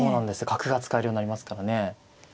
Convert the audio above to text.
角が使えるようになりますからね。